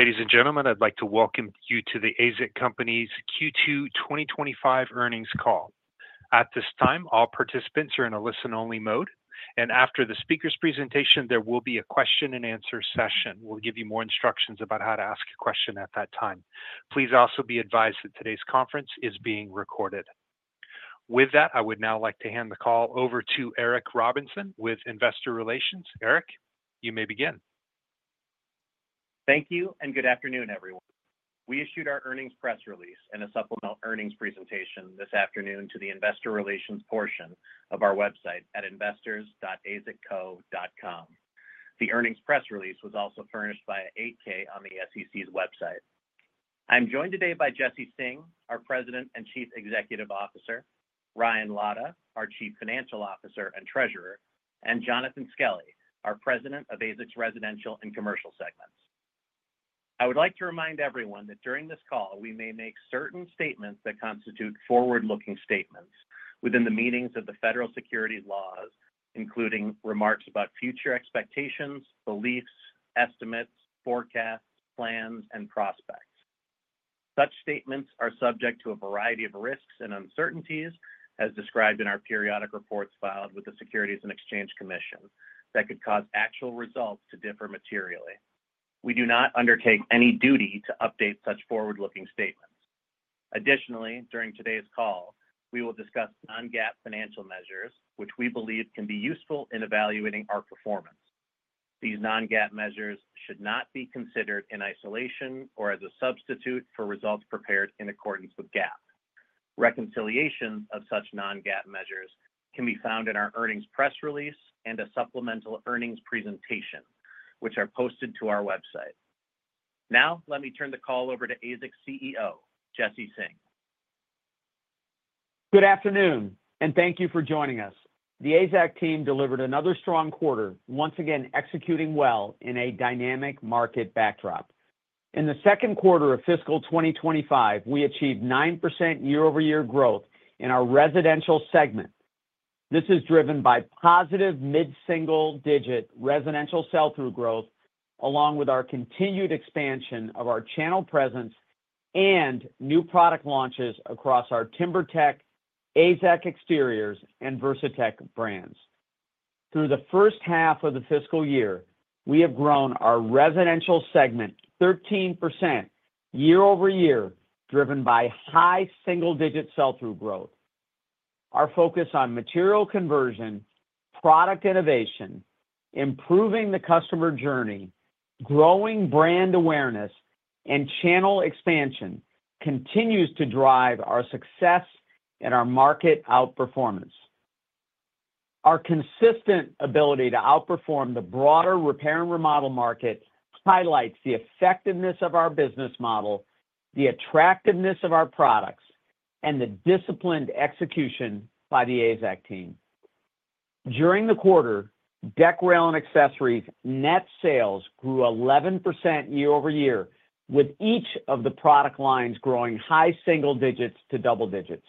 Ladies and gentlemen, I'd like to welcome you to the AZEK Company's Q2 2025 earnings call. At this time, all participants are in a listen-only mode, and after the speaker's presentation, there will be a question and answer session. We'll give you more instructions about how to ask a question at that time. Please also be advised that today's conference is being recorded. With that, I would now like to hand the call over to Eric Robinson with Investor Relations. Eric, you may begin. Thank you, and good afternoon, everyone. We issued our earnings press release and a supplemental earnings presentation this afternoon to the Investor Relations portion of our website at investors.azekco.com. The earnings press release was also furnished by 8K on the SEC's website. I'm joined today by Jesse Singh, our President and Chief Executive Officer; Ryan Lada, our Chief Financial Officer and Treasurer; and Jonathan Skelly, our President of AZEK's Residential and Commercial Segments. I would like to remind everyone that during this call, we may make certain statements that constitute forward-looking statements within the meanings of the federal securities laws, including remarks about future expectations, beliefs, estimates, forecasts, plans, and prospects. Such statements are subject to a variety of risks and uncertainties, as described in our periodic reports filed with the Securities and Exchange Commission, that could cause actual results to differ materially. We do not undertake any duty to update such forward-looking statements. Additionally, during today's call, we will discuss non-GAAP financial measures, which we believe can be useful in evaluating our performance. These non-GAAP measures should not be considered in isolation or as a substitute for results prepared in accordance with GAAP. Reconciliations of such non-GAAP measures can be found in our earnings press release and a supplemental earnings presentation, which are posted to our website. Now, let me turn the call over to AZEK's CEO, Jesse Singh. Good afternoon, and thank you for joining us. The AZEK team delivered another strong quarter, once again executing well in a dynamic market backdrop. In the second quarter of fiscal 2025, we achieved 9% year-over-year growth in our residential segment. This is driven by positive mid-single-digit residential sell-through growth, along with our continued expansion of our channel presence and new product launches across our TimberTech, AZEK Exteriors, and Versatex brands. Through the first half of the fiscal year, we have grown our residential segment 13% year-over-year, driven by high single-digit sell-through growth. Our focus on material conversion, product innovation, improving the customer journey, growing brand awareness, and channel expansion continues to drive our success and our market outperformance. Our consistent ability to outperform the broader repair and remodel market highlights the effectiveness of our business model, the attractiveness of our products, and the disciplined execution by the AZEK team. During the quarter, deck rail and accessories' net sales grew 11% year-over-year, with each of the product lines growing high single digits to double digits.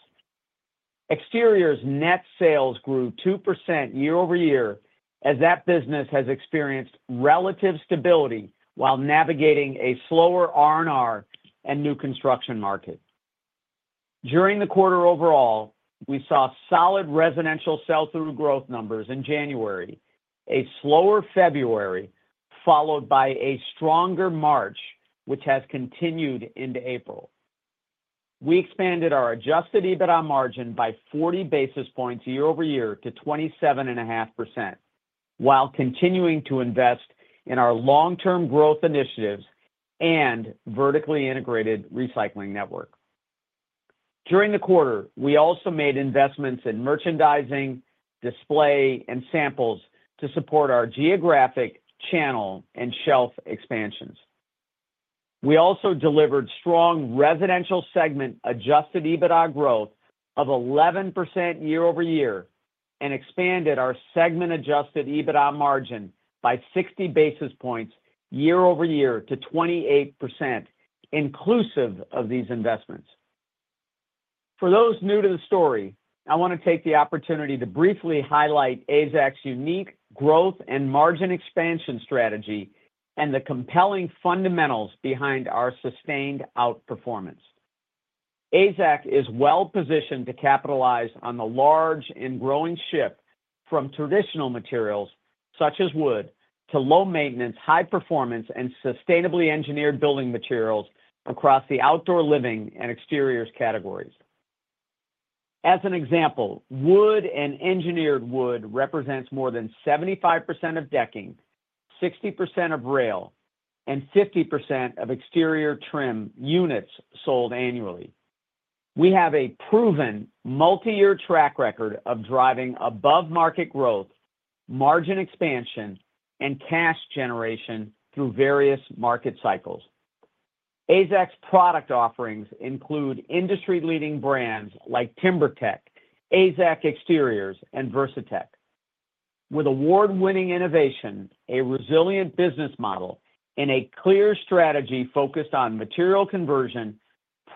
Exteriors' net sales grew 2% year-over-year, as that business has experienced relative stability while navigating a slower R&R and new construction market. During the quarter overall, we saw solid residential sell-through growth numbers in January, a slower February followed by a stronger March, which has continued into April. We expanded our adjusted EBITDA margin by 40 basis points year-over-year to 27.5%, while continuing to invest in our long-term growth initiatives and vertically integrated recycling network. During the quarter, we also made investments in merchandising, display, and samples to support our geographic channel and shelf expansions. We also delivered strong residential segment adjusted EBITDA growth of 11% year-over-year and expanded our segment-adjusted EBITDA margin by 60 basis points year-over-year to 28%, inclusive of these investments. For those new to the story, I want to take the opportunity to briefly highlight AZEK's unique growth and margin expansion strategy and the compelling fundamentals behind our sustained outperformance. AZEK is well-positioned to capitalize on the large and growing shift from traditional materials such as wood to low-maintenance, high-performance, and sustainably engineered building materials across the outdoor living and exteriors categories. As an example, wood and engineered wood represents more than 75% of decking, 60% of rail, and 50% of exterior trim units sold annually. We have a proven multi-year track record of driving above-market growth, margin expansion, and cash generation through various market cycles. AZEK's product offerings include industry-leading brands like TimberTech, AZEK Exteriors, and Versatex. With award-winning innovation, a resilient business model, and a clear strategy focused on material conversion,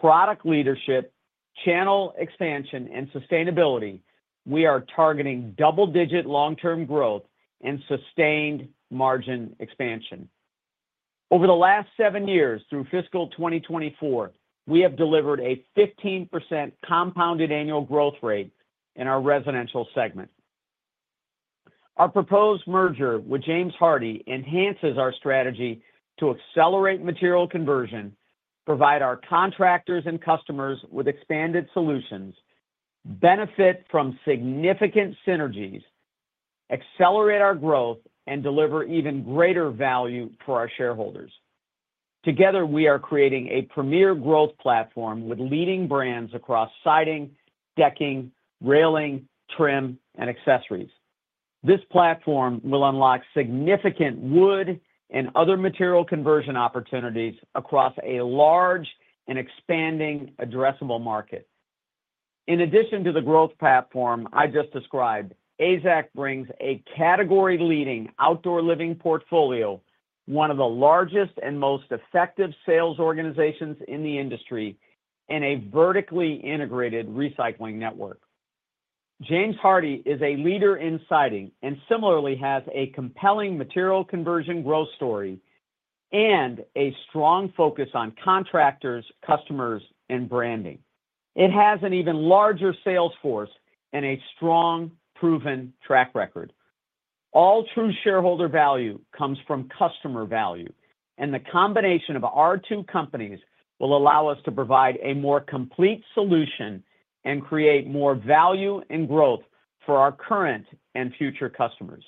product leadership, channel expansion, and sustainability, we are targeting double-digit long-term growth and sustained margin expansion. Over the last seven years, through fiscal 2024, we have delivered a 15% compounded annual growth rate in our residential segment. Our proposed merger with James Hardie enhances our strategy to accelerate material conversion, provide our contractors and customers with expanded solutions, benefit from significant synergies, accelerate our growth, and deliver even greater value for our shareholders. Together, we are creating a premier growth platform with leading brands across siding, decking, railing, trim, and accessories. This platform will unlock significant wood and other material conversion opportunities across a large and expanding addressable market. In addition to the growth platform I just described, AZEK brings a category-leading outdoor living portfolio, one of the largest and most effective sales organizations in the industry, and a vertically integrated recycling network. James Hardie is a leader in siding and similarly has a compelling material conversion growth story and a strong focus on contractors, customers, and branding. It has an even larger sales force and a strong, proven track record. All true shareholder value comes from customer value, and the combination of our two companies will allow us to provide a more complete solution and create more value and growth for our current and future customers.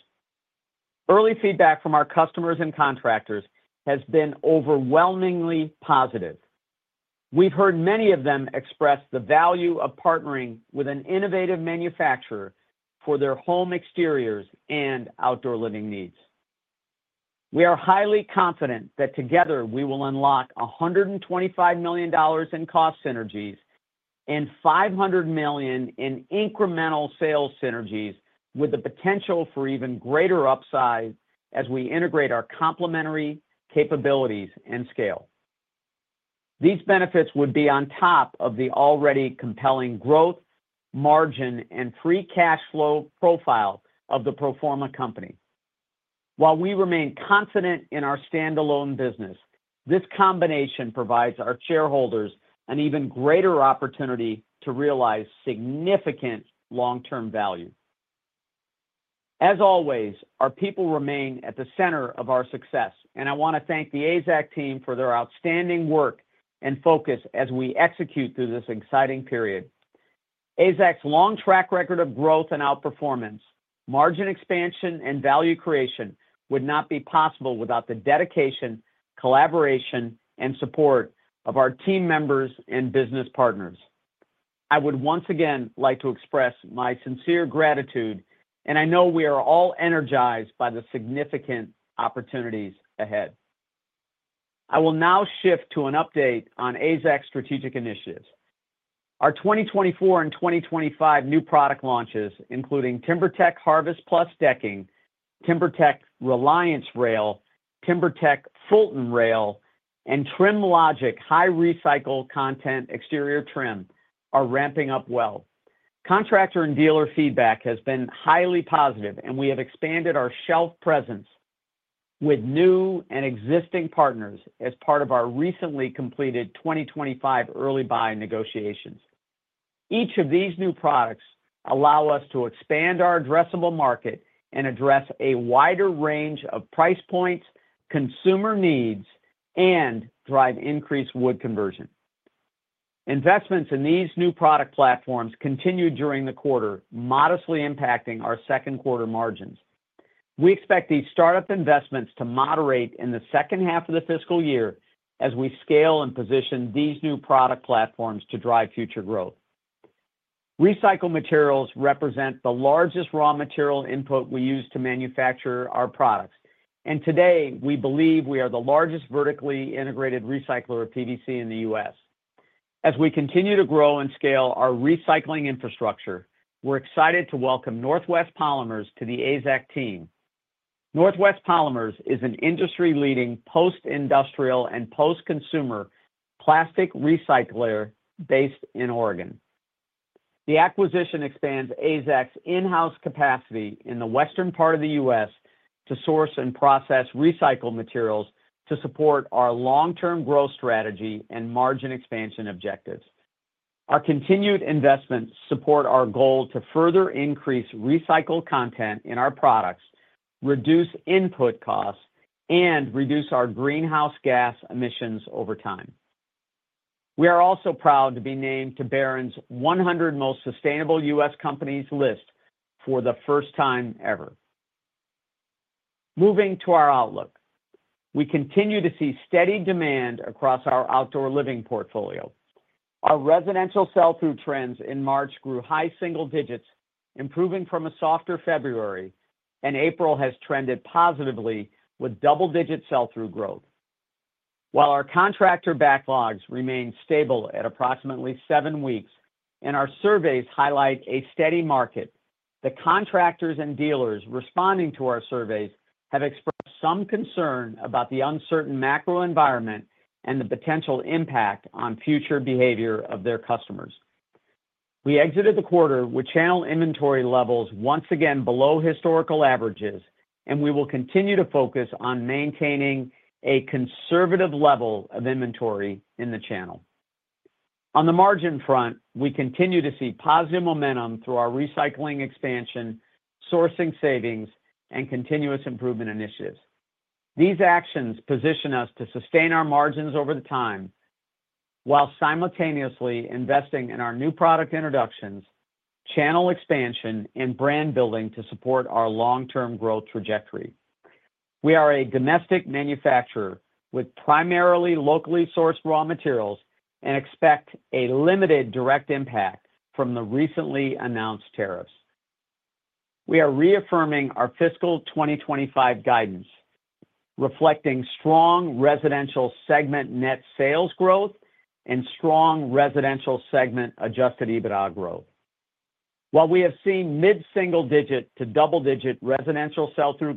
Early feedback from our customers and contractors has been overwhelmingly positive. We've heard many of them express the value of partnering with an innovative manufacturer for their home exteriors and outdoor living needs. We are highly confident that together we will unlock $125 million in cost synergies and $500 million in incremental sales synergies, with the potential for even greater upsides as we integrate our complementary capabilities and scale. These benefits would be on top of the already compelling growth, margin, and free cash flow profile of the Proforma Company. While we remain confident in our standalone business, this combination provides our shareholders an even greater opportunity to realize significant long-term value. As always, our people remain at the center of our success, and I want to thank the AZEK team for their outstanding work and focus as we execute through this exciting period. AZEK's long track record of growth and outperformance, margin expansion, and value creation would not be possible without the dedication, collaboration, and support of our team members and business partners. I would once again like to express my sincere gratitude, and I know we are all energized by the significant opportunities ahead. I will now shift to an update on AZEK's strategic initiatives. Our 2024 and 2025 new product launches, including TimberTech Harvest Plus Decking, TimberTech Reliance Rail, TimberTech Fulton Rail, and TrimLogic High Recycle Content Exterior Trim, are ramping up well. Contractor and dealer feedback has been highly positive, and we have expanded our shelf presence with new and existing partners as part of our recently completed 2025 early buy negotiations. Each of these new products allows us to expand our addressable market and address a wider range of price points, consumer needs, and drive increased wood conversion. Investments in these new product platforms continued during the quarter, modestly impacting our second quarter margins. We expect these startup investments to moderate in the second half of the fiscal year as we scale and position these new product platforms to drive future growth. Recycled materials represent the largest raw material input we use to manufacture our products, and today we believe we are the largest vertically integrated recycler of PVC in the U.S. As we continue to grow and scale our recycling infrastructure, we're excited to welcome Northwest Polymers to the AZEK team. Northwest Polymers is an industry-leading post-industrial and post-consumer plastic recycler based in Oregon. The acquisition expands AZEK's in-house capacity in the western part of the U.S. to source and process recycled materials to support our long-term growth strategy and margin expansion objectives. Our continued investments support our goal to further increase recycled content in our products, reduce input costs, and reduce our greenhouse gas emissions over time. We are also proud to be named to Barron's 100 Most Sustainable U.S. Companies list for the first time ever. Moving to our outlook, we continue to see steady demand across our outdoor living portfolio. Our residential sell-through trends in March grew high single digits, improving from a softer February, and April has trended positively with double-digit sell-through growth. While our contractor backlogs remain stable at approximately seven weeks, and our surveys highlight a steady market, the contractors and dealers responding to our surveys have expressed some concern about the uncertain macro environment and the potential impact on future behavior of their customers. We exited the quarter with channel inventory levels once again below historical averages, and we will continue to focus on maintaining a conservative level of inventory in the channel. On the margin front, we continue to see positive momentum through our recycling expansion, sourcing savings, and continuous improvement initiatives. These actions position us to sustain our margins over time while simultaneously investing in our new product introductions, channel expansion, and brand building to support our long-term growth trajectory. We are a domestic manufacturer with primarily locally sourced raw materials and expect a limited direct impact from the recently announced tariffs. We are reaffirming our fiscal 2025 guidance, reflecting strong residential segment net sales growth and strong residential segment adjusted EBITDA growth. While we have seen mid-single digit to double-digit residential sell-through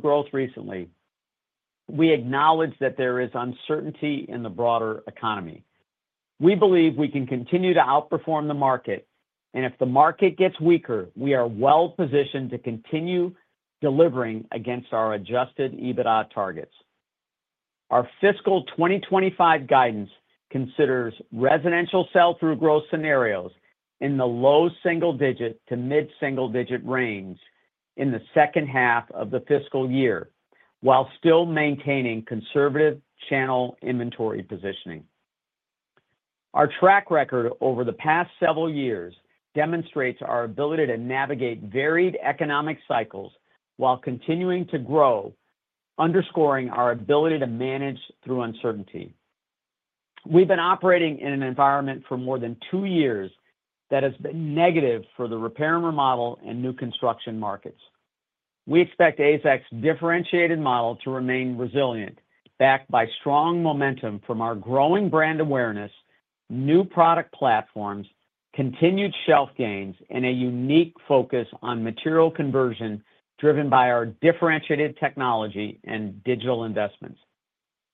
growth recently, we acknowledge that there is uncertainty in the broader economy. We believe we can continue to outperform the market, and if the market gets weaker, we are well-positioned to continue delivering against our adjusted EBITDA targets. Our fiscal 2025 guidance considers residential sell-through growth scenarios in the low single digit to mid-single digit range in the second half of the fiscal year while still maintaining conservative channel inventory positioning. Our track record over the past several years demonstrates our ability to navigate varied economic cycles while continuing to grow, underscoring our ability to manage through uncertainty. We've been operating in an environment for more than two years that has been negative for the repair and remodel and new construction markets. We expect AZEK's differentiated model to remain resilient, backed by strong momentum from our growing brand awareness, new product platforms, continued shelf gains, and a unique focus on material conversion driven by our differentiated technology and digital investments.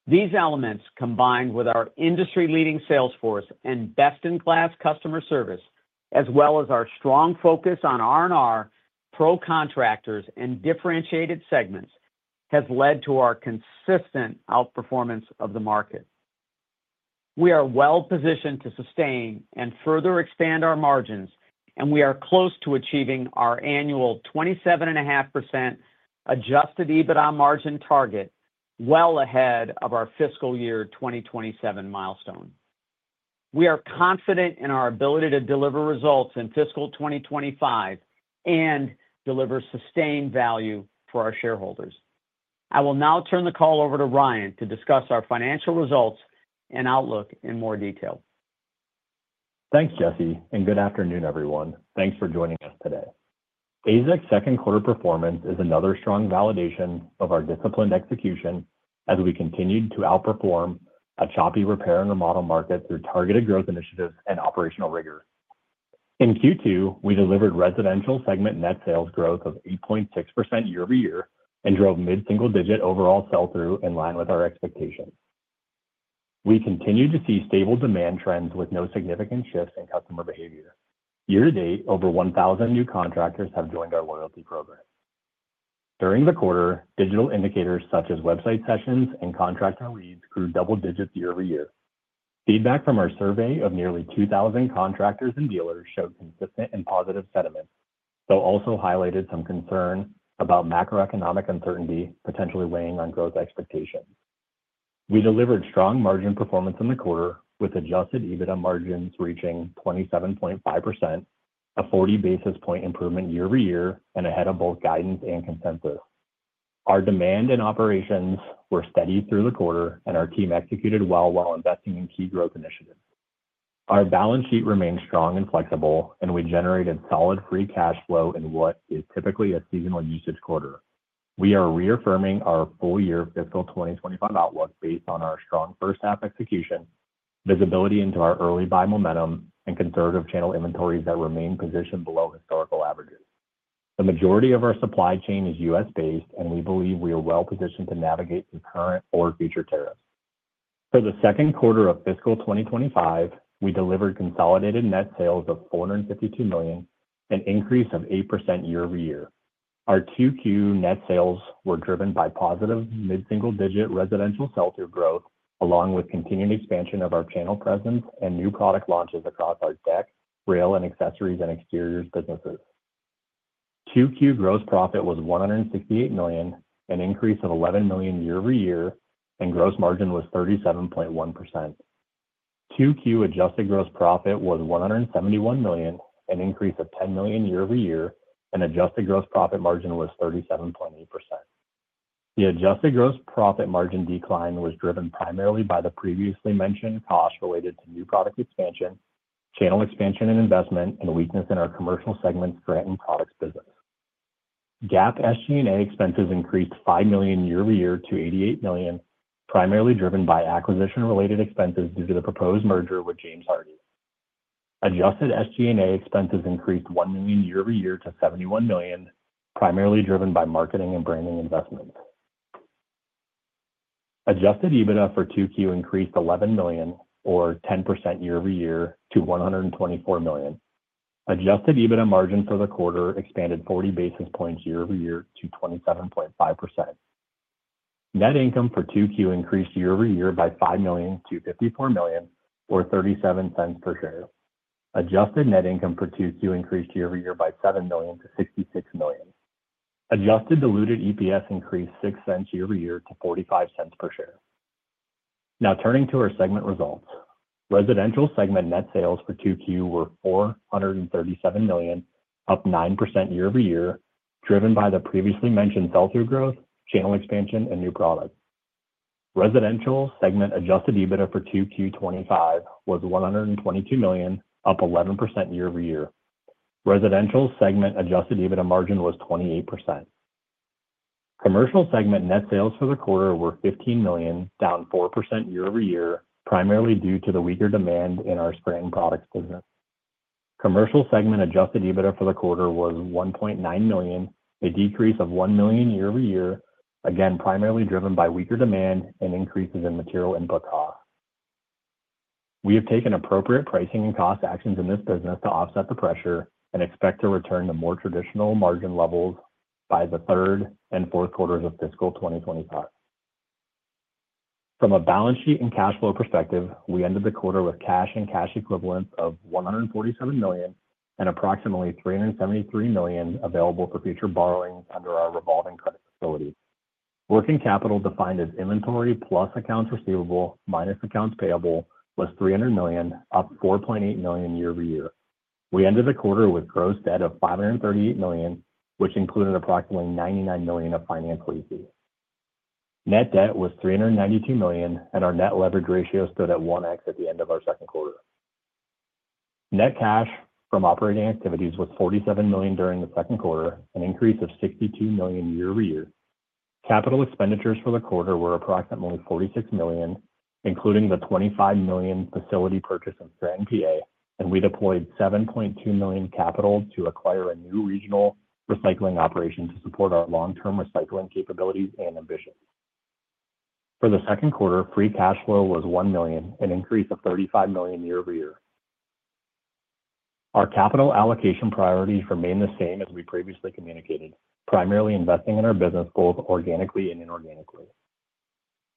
These elements, combined with our industry-leading sales force and best-in-class customer service, as well as our strong focus on R&R, pro contractors, and differentiated segments, have led to our consistent outperformance of the market. We are well-positioned to sustain and further expand our margins, and we are close to achieving our annual 27.5% adjusted EBITDA margin target, well ahead of our fiscal year 2027 milestone. We are confident in our ability to deliver results in fiscal 2025 and deliver sustained value for our shareholders. I will now turn the call over to Ryan to discuss our financial results and outlook in more detail. Thanks, Jesse, and good afternoon, everyone. Thanks for joining us today. AZEK's second quarter performance is another strong validation of our disciplined execution as we continued to outperform a choppy repair and remodel market through targeted growth initiatives and operational rigor. In Q2, we delivered residential segment net sales growth of 8.6% year-over-year and drove mid-single digit overall sell-through in line with our expectations. We continue to see stable demand trends with no significant shifts in customer behavior. Year-to-date, over 1,000 new contractors have joined our loyalty program. During the quarter, digital indicators such as website sessions and contractor leads grew double digits year-over-year. Feedback from our survey of nearly 2,000 contractors and dealers showed consistent and positive sentiment, though also highlighted some concern about macroeconomic uncertainty potentially weighing on growth expectations. We delivered strong margin performance in the quarter, with adjusted EBITDA margins reaching 27.5%, a 40 basis point improvement year-over-year, and ahead of both guidance and consensus. Our demand and operations were steady through the quarter, and our team executed well while investing in key growth initiatives. Our balance sheet remained strong and flexible, and we generated solid free cash flow in what is typically a seasonal usage quarter. We are reaffirming our full-year fiscal 2025 outlook based on our strong first-half execution, visibility into our early buy momentum, and conservative channel inventories that remain positioned below historical averages. The majority of our supply chain is U.S.-based, and we believe we are well-positioned to navigate through current or future tariffs. For the second quarter of fiscal 2025, we delivered consolidated net sales of $452 million, an increase of 8% year-over-year. Our Q2 net sales were driven by positive mid-single digit residential sell-through growth, along with continued expansion of our channel presence and new product launches across our deck, rail, and accessories and exteriors businesses. Q2 gross profit was $168 million, an increase of $11 million year-over-year, and gross margin was 37.1%. Q2 adjusted gross profit was $171 million, an increase of $10 million year-over-year, and adjusted gross profit margin was 37.8%. The adjusted gross profit margin decline was driven primarily by the previously mentioned costs related to new product expansion, channel expansion and investment, and weakness in our commercial segments grant and products business. GAAP SG&A expenses increased $5 million year-over-year to $88 million, primarily driven by acquisition-related expenses due to the proposed merger with James Hardie. Adjusted SG&A expenses increased $1 million year-over-year to $71 million, primarily driven by marketing and branding investments. Adjusted EBITDA for Q2 increased $11 million, or 10% year-over-year, to $124 million. Adjusted EBITDA margin for the quarter expanded 40 basis points year-over-year to 27.5%. Net income for Q2 increased year-over-year by $5 million-$54 million, or $0.37 per share. Adjusted net income for Q2 increased year-over-year by $7 million-$66 million. Adjusted diluted EPS increased $0.06 year-over-year to $0.45 per share. Now turning to our segment results, residential segment net sales for Q2 were $437 million, up 9% year-over-year, driven by the previously mentioned sell-through growth, channel expansion, and new products. Residential segment adjusted EBITDA for Q2 was $122 million, up 11% year-over-year. Residential segment adjusted EBITDA margin was 28%. Commercial segment net sales for the quarter were $15 million, down 4% year-over-year, primarily due to the weaker demand in our spring products business. Commercial segment adjusted EBITDA for the quarter was $1.9 million, a decrease of $1 million year-over-year, again primarily driven by weaker demand and increases in material input costs. We have taken appropriate pricing and cost actions in this business to offset the pressure and expect to return to more traditional margin levels by the third and fourth quarters of fiscal 2025. From a balance sheet and cash flow perspective, we ended the quarter with cash and cash equivalents of $147 million and approximately $373 million available for future borrowing under our revolving credit facility. Working capital defined as inventory plus accounts receivable minus accounts payable was $300 million, up $4.8 million year-over-year. We ended the quarter with gross debt of $538 million, which included approximately $99 million of financial ETs. Net debt was $392 million, and our net leverage ratio stood at 1X at the end of our second quarter. Net cash from operating activities was $47 million during the second quarter, an increase of $62 million year-over-year. Capital expenditures for the quarter were approximately $46 million, including the $25 million facility purchase in Scranton, Pennsylvania, and we deployed $7.2 million capital to acquire a new regional recycling operation to support our long-term recycling capabilities and ambitions. For the second quarter, free cash flow was $1 million, an increase of $35 million year-over-year. Our capital allocation priorities remain the same as we previously communicated, primarily investing in our business both organically and inorganically.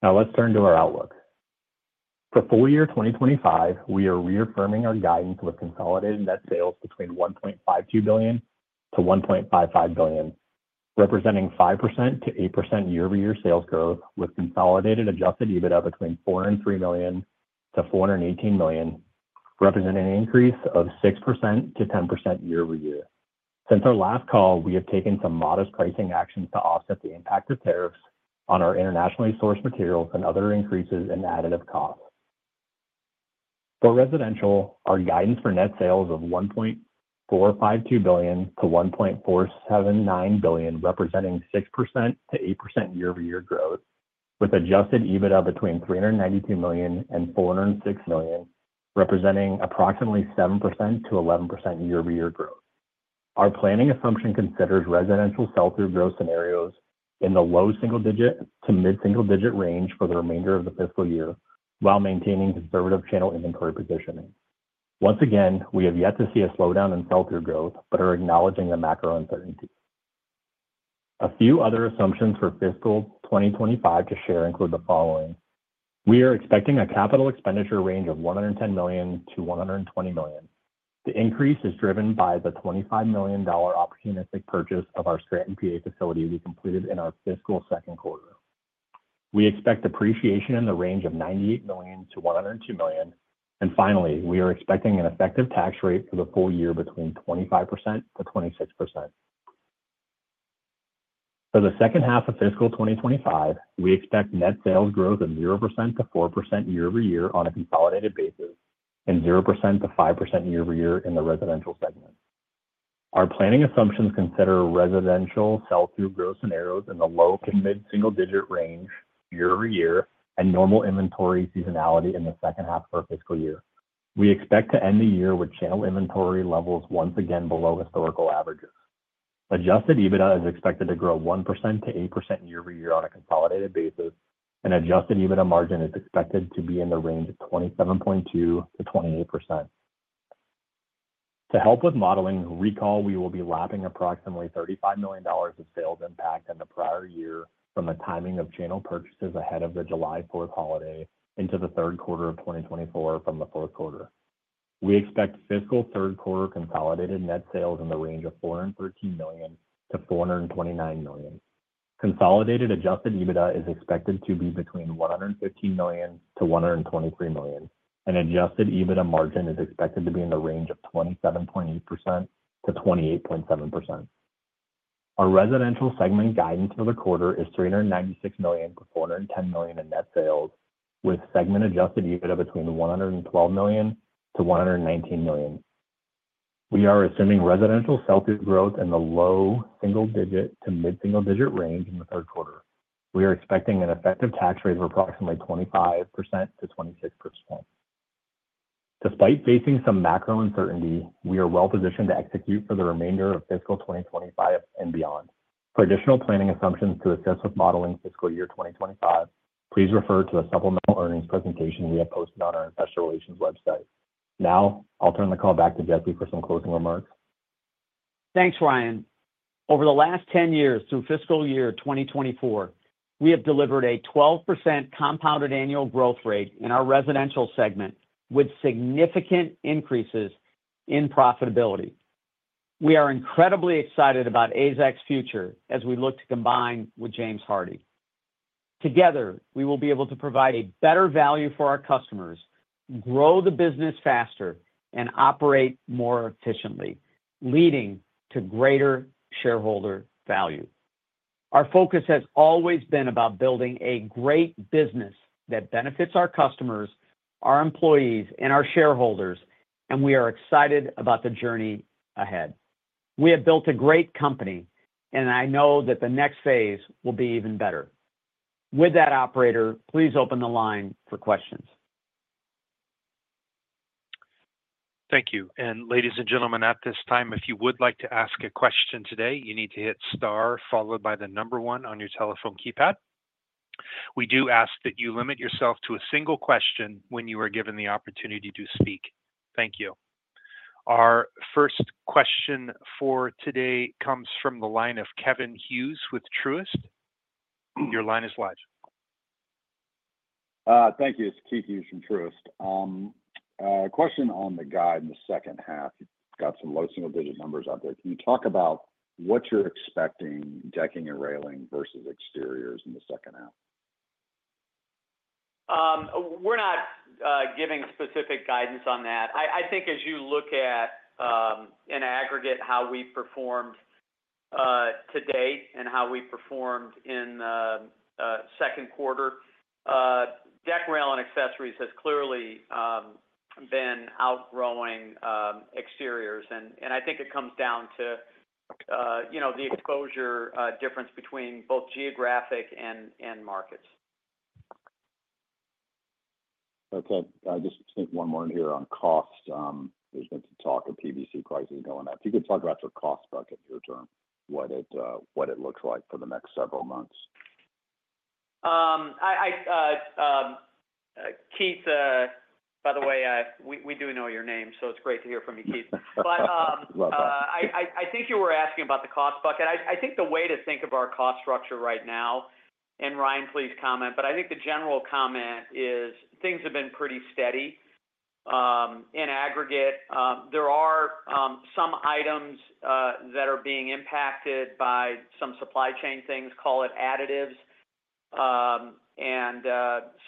Now let's turn to our outlook. For full-year 2025, we are reaffirming our guidance with consolidated net sales between $1.52 billion-$1.55 billion, representing 5%-8% year-over-year sales growth, with consolidated adjusted EBITDA between $403 million-$418 million, representing an increase of 6%-10% year-over-year. Since our last call, we have taken some modest pricing actions to offset the impact of tariffs on our internationally sourced materials and other increases in additive costs. For residential, our guidance for net sales of $1.452 billion-$1.479 billion, representing 6%-8% year-over-year growth, with adjusted EBITDA between $392 million and $406 million, representing approximately 7%-11% year-over-year growth. Our planning assumption considers residential sell-through growth scenarios in the low single digit to mid-single digit range for the remainder of the fiscal year while maintaining conservative channel inventory positioning. Once again, we have yet to see a slowdown in sell-through growth but are acknowledging the macro uncertainty. A few other assumptions for fiscal 2025 to share include the following: we are expecting a capital expenditure range of $110 million-$120 million. The increase is driven by the $25 million opportunistic purchase of our Scranton, Pennsylvania facility we completed in our fiscal second quarter. We expect depreciation in the range of $98 million-$102 million. Finally, we are expecting an effective tax rate for the full year between 25%-26%. For the second half of fiscal 2025, we expect net sales growth of 0%-4% year-over-year on a consolidated basis and 0%-5% year-over-year in the residential segment. Our planning assumptions consider residential sell-through growth scenarios in the low to mid-single digit range year-over-year and normal inventory seasonality in the second half of our fiscal year. We expect to end the year with channel inventory levels once again below historical averages. Adjusted EBITDA is expected to grow 1%-8% year-over-year on a consolidated basis, and adjusted EBITDA margin is expected to be in the range of 27.2%-28%. To help with modeling, recall we will be lapping approximately $35 million of sales impact in the prior year from the timing of channel purchases ahead of the July 4 holiday into the third quarter of 2024 from the fourth quarter. We expect fiscal third quarter consolidated net sales in the range of $413 million-$429 million. Consolidated adjusted EBITDA is expected to be between $115 million-$123 million, and adjusted EBITDA margin is expected to be in the range of 27.8%-28.7%. Our residential segment guidance for the quarter is $396 million-$410 million in net sales, with segment adjusted EBITDA between $112 million-$119 million. We are assuming residential sell-through growth in the low single digit to mid-single digit range in the third quarter. We are expecting an effective tax rate of approximately 25%-26%. Despite facing some macro uncertainty, we are well-positioned to execute for the remainder of fiscal 2025 and beyond. For additional planning assumptions to assist with modeling fiscal year 2025, please refer to the supplemental earnings presentation we have posted on our investor relations website. Now I'll turn the call back to Jesse for some closing remarks. Thanks, Ryan. Over the last 10 years through fiscal year 2024, we have delivered a 12% compounded annual growth rate in our residential segment with significant increases in profitability. We are incredibly excited about AZEK's future as we look to combine with James Hardie. Together, we will be able to provide a better value for our customers, grow the business faster, and operate more efficiently, leading to greater shareholder value. Our focus has always been about building a great business that benefits our customers, our employees, and our shareholders, and we are excited about the journey ahead. We have built a great company, and I know that the next phase will be even better. With that, Operator, please open the line for questions. Thank you. Ladies and gentlemen, at this time, if you would like to ask a question today, you need to hit star followed by the number one on your telephone keypad. We do ask that you limit yourself to a single question when you are given the opportunity to speak. Thank you. Our first question for today comes from the line of Keith Hughes with Truist. Your line is live. Thank you. It's Keith Hughes from Truist. Question on the guide in the second half. You've got some low single digit numbers out there. Can you talk about what you're expecting decking and railing versus exteriors in the second half? We're not giving specific guidance on that. I think as you look at, in aggregate, how we performed to date and how we performed in the second quarter, deck, rail, and accessories has clearly been outgrowing exteriors. I think it comes down to the exposure difference between both geographic and markets. Okay. I just think one more in here on cost. There has been some talk of PVC prices going up. If you could talk about your cost bucket in your term, what it looks like for the next several months. Keith, by the way, we do know your name, so it is great to hear from you, Keith. I think you were asking about the cost bucket. I think the way to think of our cost structure right now, and Ryan, please comment, but I think the general comment is things have been pretty steady in aggregate. There are some items that are being impacted by some supply chain things, call it additives, and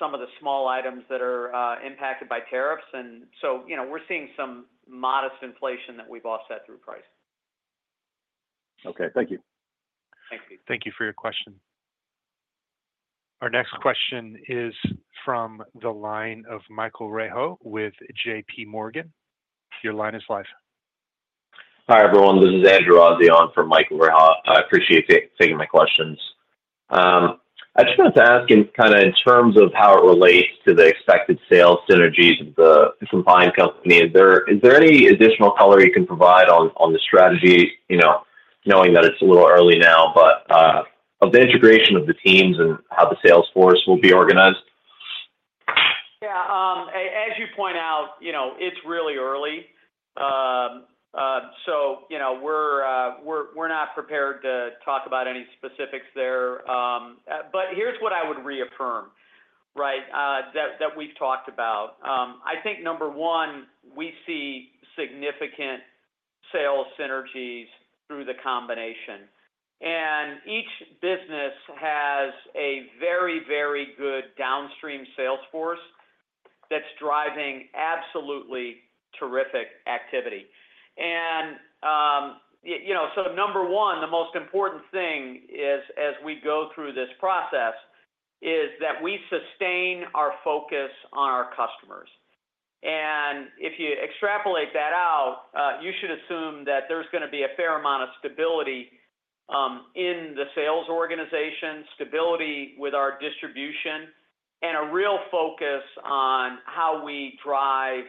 some of the small items that are impacted by tariffs. We are seeing some modest inflation that we have offset through price. Okay. Thank you. Thank you for your question. Our next question is from the line of Michael Rehaut with JPMorgan. Your line is live. Hi everyone. This is Andrew Olsen from Michael Rehaut. I appreciate taking my questions. I just wanted to ask in kind of in terms of how it relates to the expected sales synergies of the combined company. Is there any additional color you can provide on the strategy, knowing that it's a little early now, but of the integration of the teams and how the sales force will be organized?. Yeah. As you point out, it's really early. We are not prepared to talk about any specifics there. Here's what I would reaffirm, right, that we've talked about. I think number one, we see significant sales synergies through the combination. Each business has a very, very good downstream sales force that's driving absolutely terrific activity. The most important thing as we go through this process is that we sustain our focus on our customers. If you extrapolate that out, you should assume that there's going to be a fair amount of stability in the sales organization, stability with our distribution, and a real focus on how we drive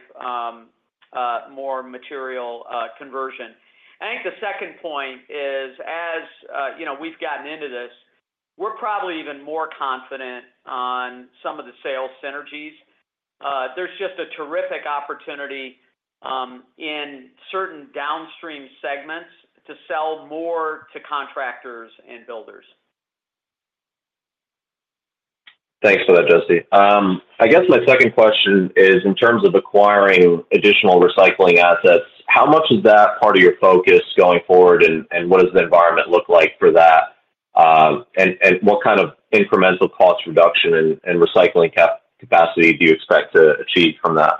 more material conversion. I think the second point is, as we've gotten into this, we're probably even more confident on some of the sales synergies. There's just a terrific opportunity in certain downstream segments to sell more to contractors and builders. Thanks for that, Jesse. I guess my second question is, in terms of acquiring additional recycling assets, how much is that part of your focus going forward, and what does the environment look like for that?. What kind of incremental cost reduction and recycling capacity do you expect to achieve from that?.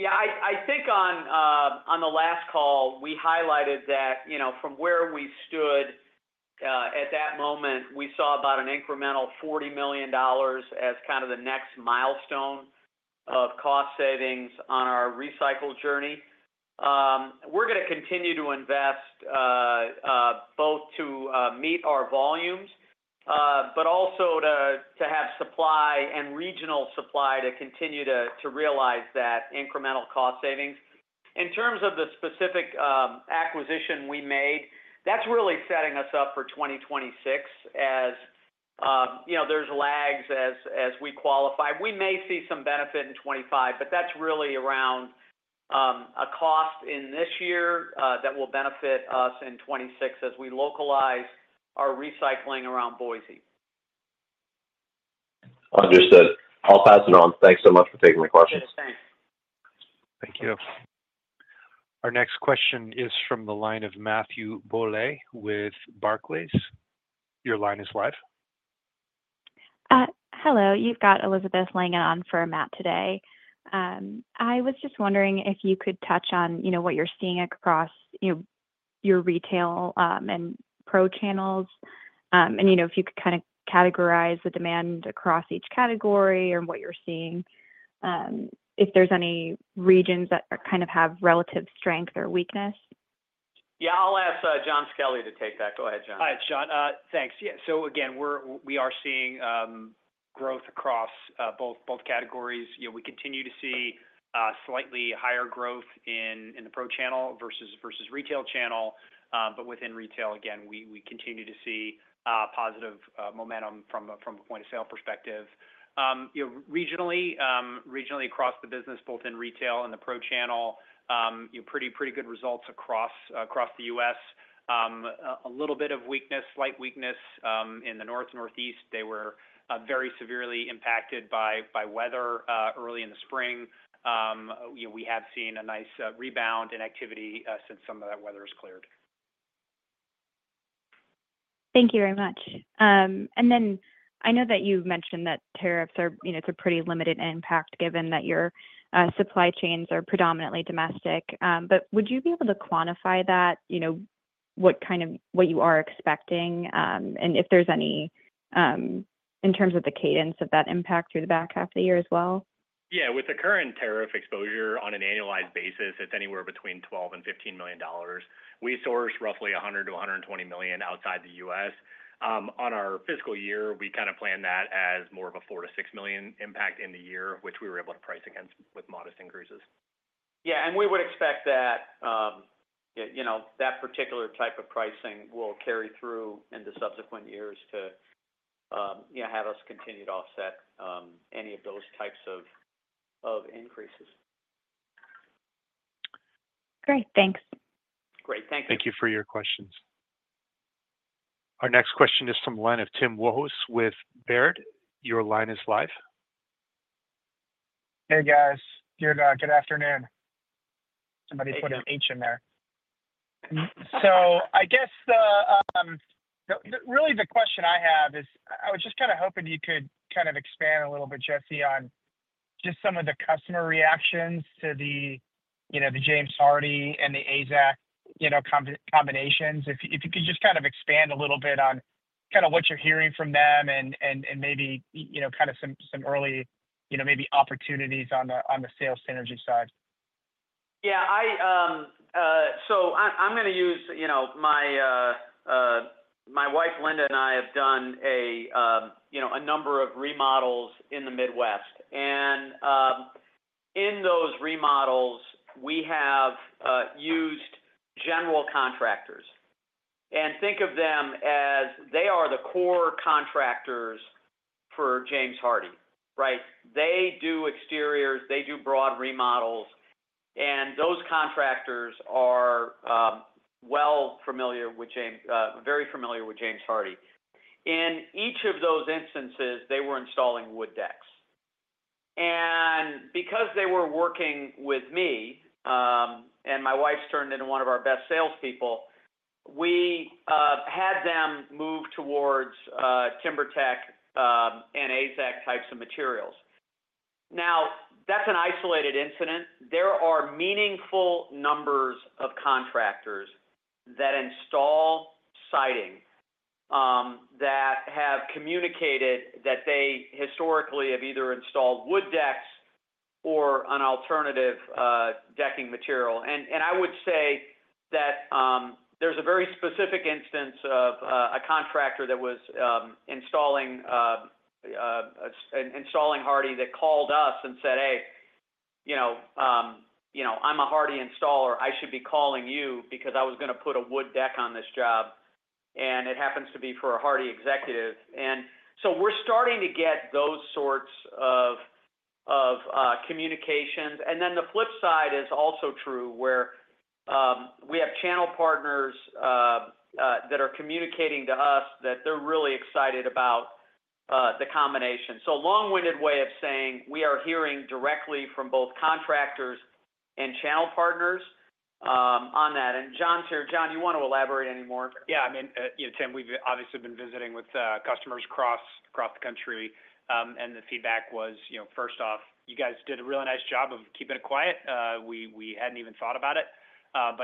Yeah. I think on the last call, we highlighted that from where we stood at that moment, we saw about an incremental $40 million as kind of the next milestone of cost savings on our recycle journey. We're going to continue to invest both to meet our volumes, but also to have supply and regional supply to continue to realize that incremental cost savings. In terms of the specific acquisition we made, that's really setting us up for 2026 as there's lags as we qualify. We may see some benefit in '25, but that's really around a cost in this year that will benefit us in '26 as we localize our recycling around Boise. Understood. I'll pass it on. Thanks so much for taking my questions. Thanks. Thank you. Our next question is from the line of Matthew Bouley with Barclays. Your line is live. Hello. You've got Elizabeth Langan on for Matt today. I was just wondering if you could touch on what you're seeing across your retail and pro channels, and if you could kind of categorize the demand across each category and what you're seeing, if there's any regions that kind of have relative strength or weakness. Yeah. I'll ask Jonathan Skelly to take that. Go ahead, Jonathan. Hi, Jonathan. Thanks. Yeah. So again, we are seeing growth across both categories. We continue to see slightly higher growth in the pro channel versus retail channel. Within retail, again, we continue to see positive momentum from a point of sale perspective. Regionally, across the business, both in retail and the pro channel, pretty good results across the U.S. A little bit of weakness, slight weakness in the Northeast. They were very severely impacted by weather early in the spring. We have seen a nice rebound in activity since some of that weather has cleared. Thank you very much. I know that you mentioned that tariffs are, it's a pretty limited impact given that your supply chains are predominantly domestic. Would you be able to quantify that, what you are expecting, and if there's any, in terms of the cadence of that impact through the back half of the year as well?. Yeah. With the current tariff exposure on an annualized basis, it's anywhere between $12 million and $15 million. We source roughly $100 million-$120 million outside the US. On our fiscal year, we kind of plan that as more of a $4 million-$6 million impact in the year, which we were able to price against with modest increases. Yeah. We would expect that that particular type of pricing will carry through into subsequent years to have us continue to offset any of those types of increases. Great. Thanks. Great. Thank you. Thank you for your questions. Our next question is from the line of Tim Wojs with Baird. Your line is live. Hey, guys. Good afternoon. Somebody put an H in there. I guess really the question I have is I was just kind of hoping you could kind of expand a little bit, Jesse, on just some of the customer reactions to the James Hardie and the AZEK combinations. If you could just kind of expand a little bit on kind of what you're hearing from them and maybe kind of some early maybe opportunities on the sales synergy side. Yeah. I'm going to use my wife, Linda, and I have done a number of remodels in the Midwest. In those remodels, we have used general contractors. Think of them as they are the core contractors for James Hardie, right?. They do exteriors. They do broad remodels. Those contractors are very familiar with James Hardie. In each of those instances, they were installing wood decks. Because they were working with me and my wife's turned into one of our best salespeople, we had them move towards TimberTech and AZEK types of materials. Now, that's an isolated incident. There are meaningful numbers of contractors that install siding that have communicated that they historically have either installed wood decks or an alternative decking material. I would say that there's a very specific instance of a contractor that was installing Hardie that called us and said, "Hey, I'm a Hardie installer. I should be calling you because I was going to put a wood deck on this job." It happens to be for a Hardie executive. We are starting to get those sorts of communications. The flip side is also true where we have channel partners that are communicating to us that they're really excited about the combination. Long-winded way of saying, we are hearing directly from both contractors and channel partners on that. Jon's here. Jon, do you want to elaborate any more? Yeah. I mean, Tim, we've obviously been visiting with customers across the country. The feedback was, first off, you guys did a really nice job of keeping it quiet. We hadn't even thought about it.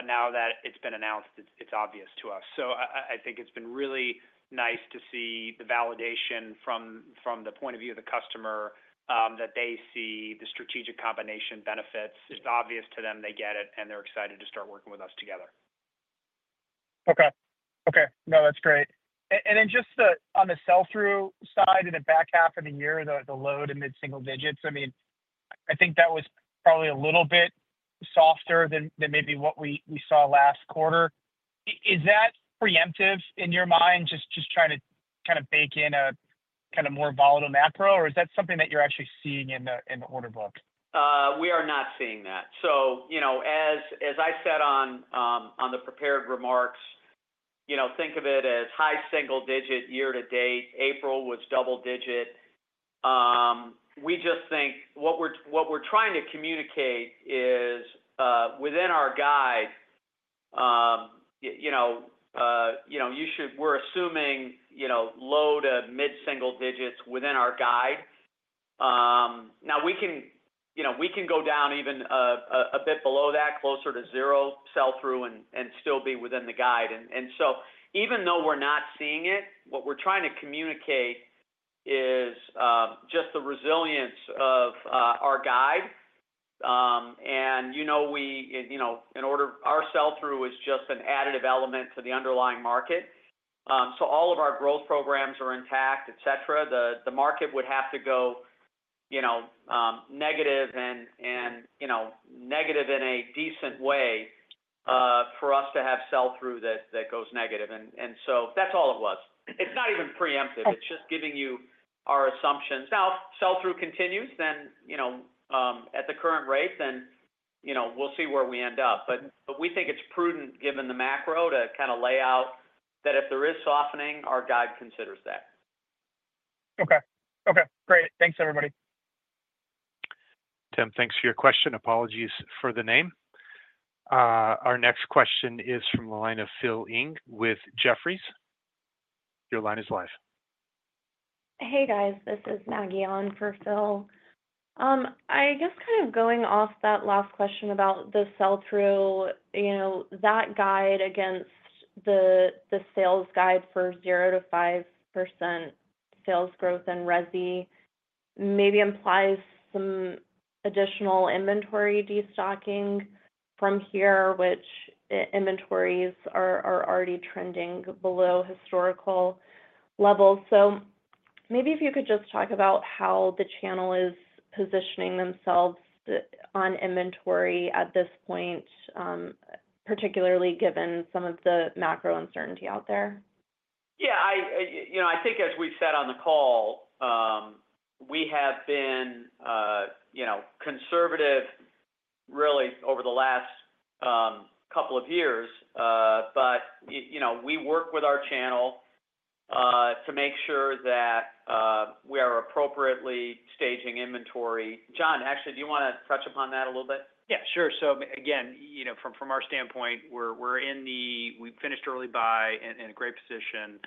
Now that it's been announced, it's obvious to us. I think it's been really nice to see the validation from the point of view of the customer that they see the strategic combination benefits. It's obvious to them. They get it. They're excited to start working with us together. Okay. Okay. No, that's great. Just on the sell-through side in the back half of the year, the low to mid-single digits, I mean, I think that was probably a little bit softer than maybe what we saw last quarter. Is that preemptive in your mind, just trying to kind of bake in a kind of more volatile macro, or is that something that you're actually seeing in the order book?. We are not seeing that. As I said on the prepared remarks, think of it as high single digit year to date. April was double digit. We just think what we're trying to communicate is within our guide, you should, we're assuming low to mid-single digits within our guide. Now, we can go down even a bit below that, closer to zero sell-through and still be within the guide. Even though we're not seeing it, what we're trying to communicate is just the resilience of our guide. In order, our sell-through is just an additive element to the underlying market. All of our growth programs are intact, etc. The market would have to go negative and negative in a decent way for us to have sell-through that goes negative. That is all it was. It's not even preemptive. It's just giving you our assumptions. Now, if sell-through continues at the current rate, then we'll see where we end up. We think it's prudent given the macro to kind of lay out that if there is softening, our guide considers that. Okay. Great. Thanks, everybody. Tim, thanks for your question. Apologies for the name. Our next question is from the line of Phil Ng with Jefferies. Your line is live. Hey, guys. This is Maggie on for Phil. I guess kind of going off that last question about the sell-through, that guide against the sales guide for 0%-5% sales growth in Resi maybe implies some additional inventory destocking from here, which inventories are already trending below historical levels. So maybe if you could just talk about how the channel is positioning themselves on inventory at this point, particularly given some of the macro uncertainty out there. Yeah. I think as we said on the call, we have been conservative, really, over the last couple of years. But we work with our channel to make sure that we are appropriately staging inventory. Jon, actually, do you want to touch upon that a little bit?. Yeah. Sure. Again, from our standpoint, we're in the we finished early buy in a great position,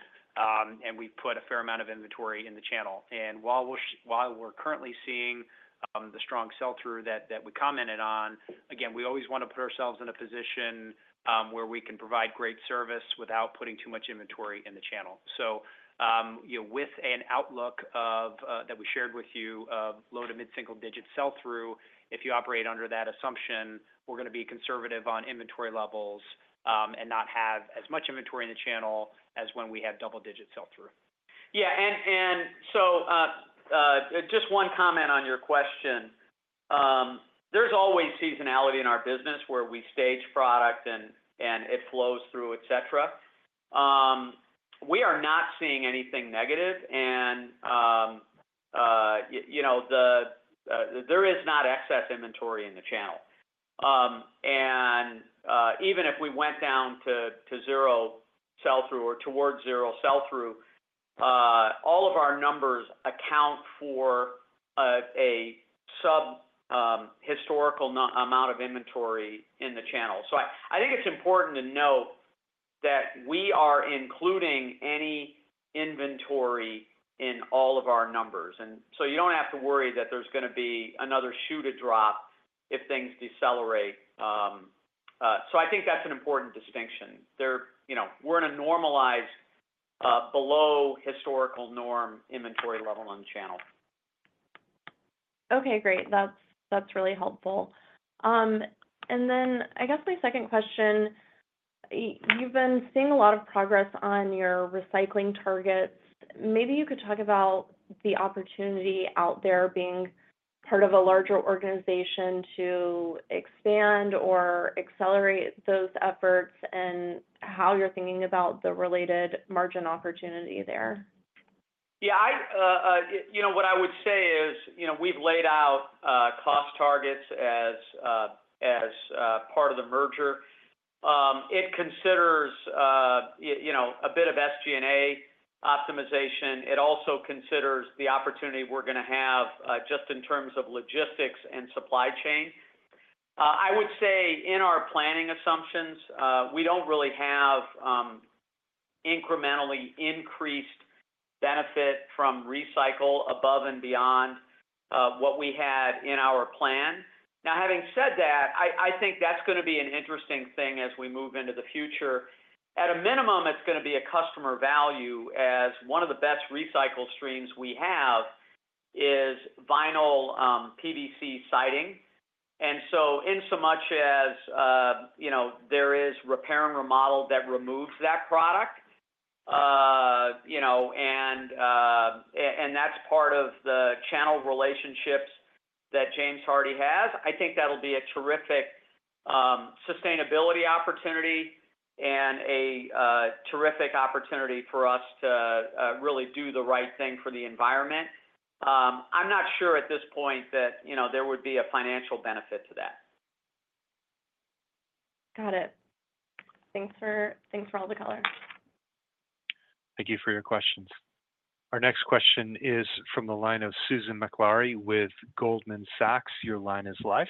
and we've put a fair amount of inventory in the channel. While we're currently seeing the strong sell-through that we commented on, we always want to put ourselves in a position where we can provide great service without putting too much inventory in the channel. With an outlook that we shared with you of low to mid-single digit sell-through, if you operate under that assumption, we're going to be conservative on inventory levels and not have as much inventory in the channel as when we have double-digit sell-through. Yeah. Just one comment on your question. There's always seasonality in our business where we stage product and it flows through, etc. We are not seeing anything negative. There is not excess inventory in the channel. Even if we went down to zero sell-through or towards zero sell-through, all of our numbers account for a sub-historical amount of inventory in the channel. I think it is important to note that we are including any inventory in all of our numbers. You do not have to worry that there is going to be another shoe to drop if things decelerate. I think that is an important distinction. We are in a normalized below-historical norm inventory level in the channel. ' Okay. Great. That is really helpful. I guess my second question, you have been seeing a lot of progress on your recycling targets. Maybe you could talk about the opportunity out there being part of a larger organization to expand or accelerate those efforts and how you are thinking about the related margin opportunity there. Yeah. What I would say is we've laid out cost targets as part of the merger. It considers a bit of SG&A optimization. It also considers the opportunity we're going to have just in terms of logistics and supply chain. I would say in our planning assumptions, we don't really have incrementally increased benefit from recycle above and beyond what we had in our plan. Now, having said that, I think that's going to be an interesting thing as we move into the future. At a minimum, it's going to be a customer value as one of the best recycle streams we have is vinyl PVC siding. Insomuch as there is repair and remodel that removes that product, and that's part of the channel relationships that James Hardie has, I think that'll be a terrific sustainability opportunity and a terrific opportunity for us to really do the right thing for the environment. I'm not sure at this point that there would be a financial benefit to that. Got it. Thanks for all the color. Thank you for your questions. Our next question is from the line of Susan Maklari with Goldman Sachs. Your line is live.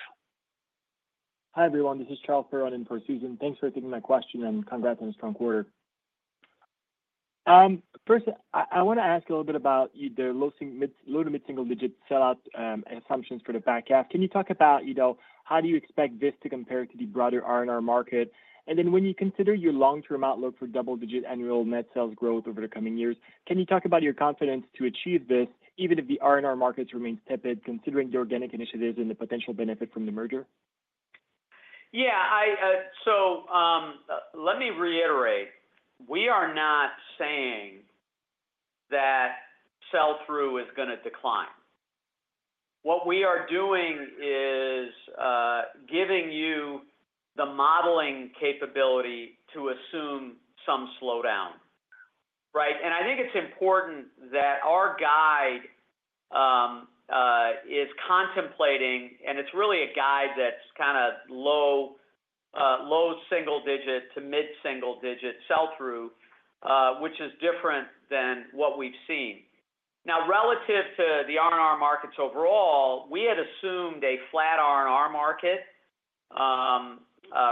Hi everyone. This is Charles Perron in for Susan. Thanks for taking my question and congrats on a strong quarter. First, I want to ask a little bit about the low to mid-single digit sell-out assumptions for the back half. Can you talk about how do you expect this to compare to the broader R&R market? When you consider your long-term outlook for double-digit annual net sales growth over the coming years, can you talk about your confidence to achieve this even if the R&R markets remain tepid considering the organic initiatives and the potential benefit from the merger?. Yeah. Let me reiterate. We are not saying that sell-through is going to decline. What we are doing is giving you the modeling capability to assume some slowdown, right?. I think it is important that our guide is contemplating, and it is really a guide that is kind of low single digit to mid-single digit sell-through, which is different than what we have seen. Now, relative to the R&R markets overall, we had assumed a flat R&R market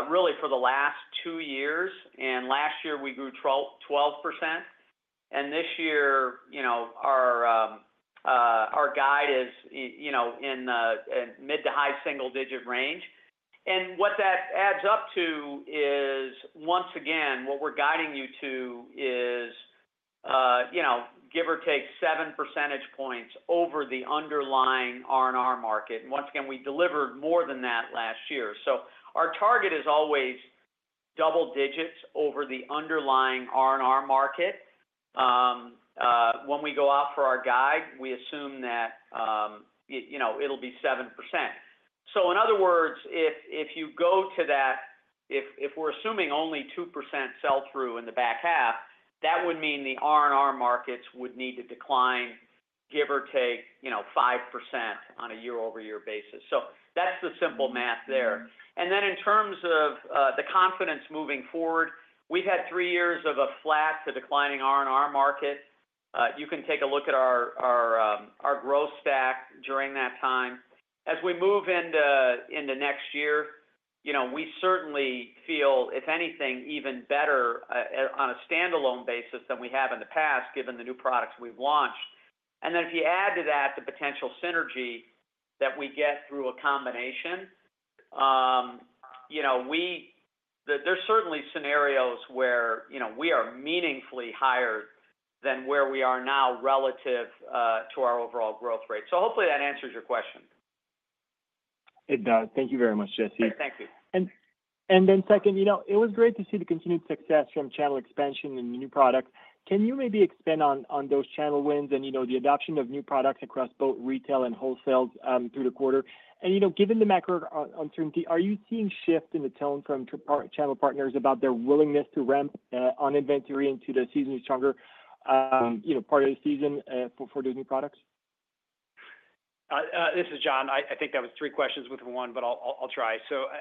really for the last two years. Last year, we grew 12%. This year, our guide is in the mid to high single digit range. What that adds up to is, once again, what we're guiding you to is give or take 7 percentage points over the underlying R&R market. Once again, we delivered more than that last year. Our target is always double digits over the underlying R&R market. When we go out for our guide, we assume that it'll be 7%. In other words, if you go to that, if we're assuming only 2% sell-through in the back half, that would mean the R&R markets would need to decline, give or take, 5% on a year-over-year basis. That's the simple math there. In terms of the confidence moving forward, we've had three years of a flat to declining R&R market. You can take a look at our growth stack during that time. As we move into next year, we certainly feel, if anything, even better on a standalone basis than we have in the past given the new products we've launched. If you add to that the potential synergy that we get through a combination, there are certainly scenarios where we are meaningfully higher than where we are now relative to our overall growth rate. Hopefully, that answers your question. It does. Thank you very much, Jesse. Thank you. Second, it was great to see the continued success from channel expansion and new products. Can you maybe expand on those channel wins and the adoption of new products across both retail and wholesale through the quarter?. Given the macro uncertainty, are you seeing shift in the tone from channel partners about their willingness to ramp on inventory into the seasonally stronger part of the season for those new products? This is John. I think that was three questions within one, but I'll try.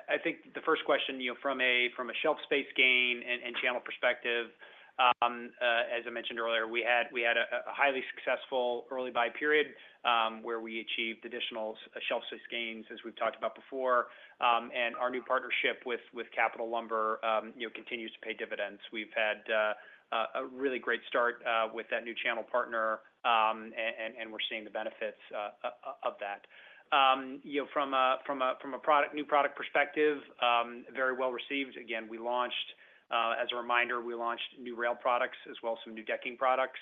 I think the first question from a shelf space gain and channel perspective, as I mentioned earlier, we had a highly successful early buy period where we achieved additional shelf space gains, as we've talked about before. Our new partnership with Capital Lumber continues to pay dividends. We've had a really great start with that new channel partner, and we're seeing the benefits of that. From a new product perspective, very well received. Again, as a reminder, we launched new rail products as well as some new decking products.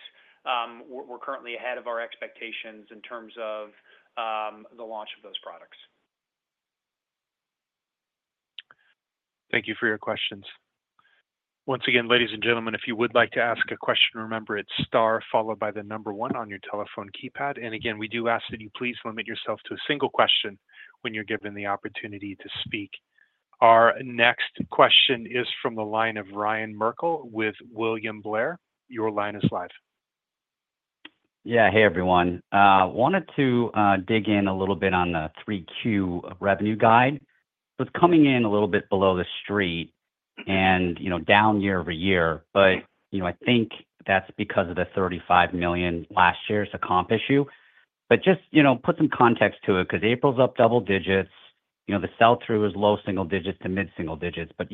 We're currently ahead of our expectations in terms of the launch of those products. Thank you for your questions. Once again, ladies and gentlemen, if you would like to ask a question, remember it's star followed by the number one on your telephone keypad. We do ask that you please limit yourself to a single question when you're given the opportunity to speak. Our next question is from the line of Ryan Merkel with William Blair. Your line is live. Yeah. Hey, everyone. Wanted to dig in a little bit on the Q3 revenue guide. It was coming in a little bit below the street and down year over year. I think that's because of the $35 million last year's accomplish you. Just put some context to it because April's up double digits. The sell-through is low single digits to mid-single digits, but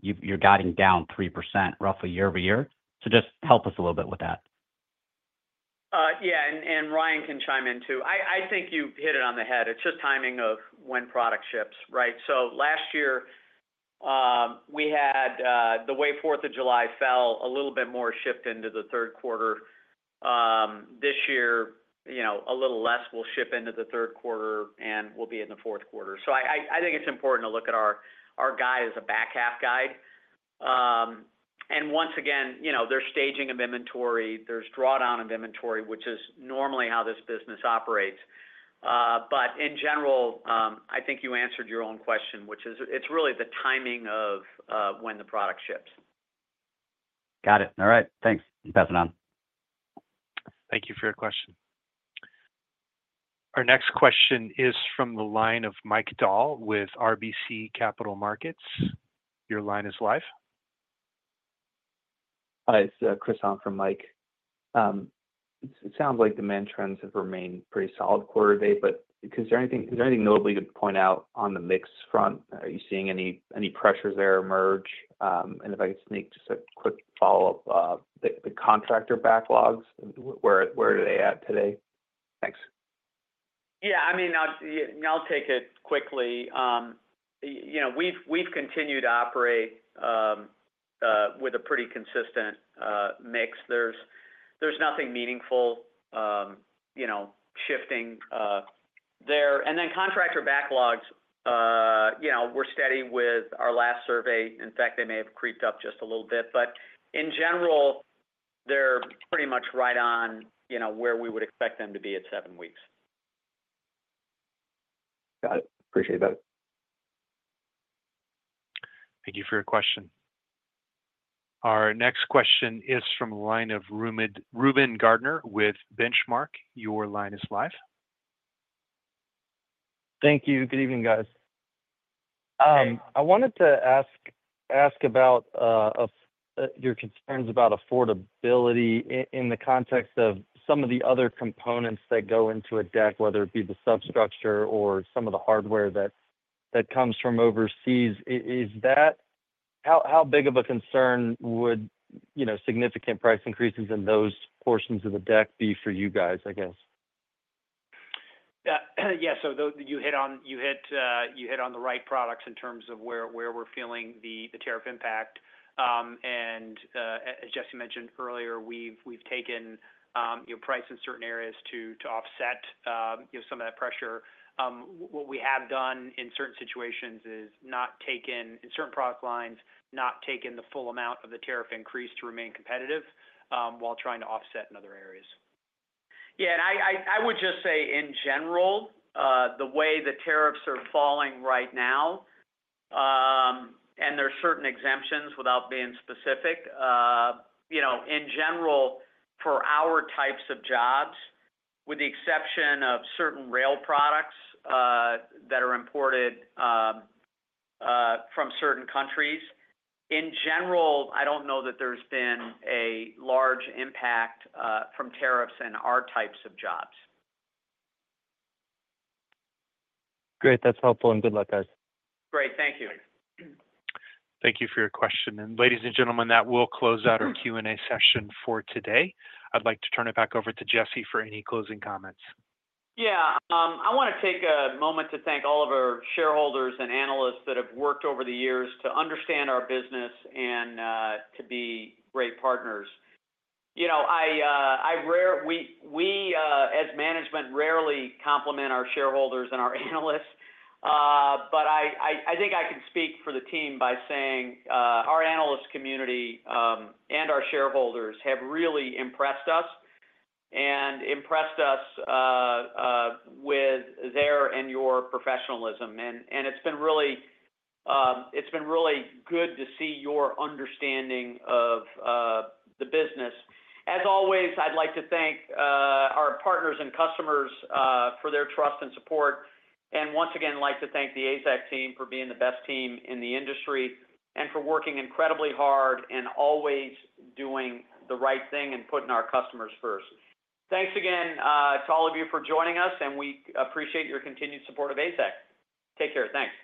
you're guiding down 3% roughly year over year. Just help us a little bit with that. Yeah. Ryan can chime in too. I think you hit it on the head. It's just timing of when product ships, right?. Last year, we had the way 4th of July fell, a little bit more shipped into the third quarter. This year, a little less will ship into the third quarter, and we'll be in the fourth quarter. I think it's important to look at our guide as a back half guide. Once again, there's staging of inventory. There's drawdown of inventory, which is normally how this business operates. In general, I think you answered your own question, which is it's really the timing of when the product ships. Got it. All right. Thanks. You're passing on. Thank you for your question. Our next question is from the line of Mike Dahl with RBC Capital Markets. Your line is live. Hi. This is Chris on for Mike. It sounds like demand trends have remained pretty solid quarterly, but is there anything notably to point out on the mix front?. Are you seeing any pressures there emerge?. If I could sneak just a quick follow-up, the contractor backlogs, where are they at today?. Thanks. Yeah. I mean, I'll take it quickly. We've continued to operate with a pretty consistent mix. There's nothing meaningful shifting there. Contractor backlogs, we're steady with our last survey. In fact, they may have creeped up just a little bit. In general, they're pretty much right on where we would expect them to be at seven weeks. Got it. Appreciate that. Thank you for your question. Our next question is from the line of Reuben Garner with Benchmark. Your line is live. Thank you. Good evening, guys. I wanted to ask about your concerns about affordability in the context of some of the other components that go into a deck, whether it be the substructure or some of the hardware that comes from overseas. How big of a concern would significant price increases in those portions of the deck be for you guys, I guess?. Yeah. You hit on the right products in terms of where we're feeling the tariff impact. As Jesse mentioned earlier, we've taken price in certain areas to offset some of that pressure. What we have done in certain situations is, in certain product lines, not taken the full amount of the tariff increase to remain competitive while trying to offset in other areas. Yeah. I would just say, in general, the way the tariffs are falling right now, and there are certain exemptions without being specific. In general, for our types of jobs, with the exception of certain rail products that are imported from certain countries, in general, I do not know that there has been a large impact from tariffs in our types of jobs. Great. That is helpful. Good luck, guys. Great. Thank you. Thank you for your question. Ladies and gentlemen, that will close out our Q&A session for today. I would like to turn it back over to Jesse for any closing comments. Yeah. I want to take a moment to thank all of our shareholders and analysts that have worked over the years to understand our business and to be great partners. We, as management, rarely compliment our shareholders and our analysts. I think I can speak for the team by saying our analyst community and our shareholders have really impressed us and impressed us with their and your professionalism. It has been really good to see your understanding of the business. As always, I'd like to thank our partners and customers for their trust and support. Once again, I'd like to thank the AZEK team for being the best team in the industry and for working incredibly hard and always doing the right thing and putting our customers first. Thanks again to all of you for joining us, and we appreciate your continued support of AZEK. Take care. Thanks.